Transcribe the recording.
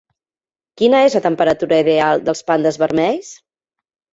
Quina és la temperatura ideal dels pandes vermells?